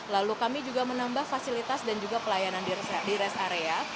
lalu kami juga menambah fasilitas dan juga pelayanan di rest area